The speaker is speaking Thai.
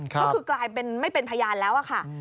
ก็คือกลายเป็นไม่เป็นพยานแล้วค่ะ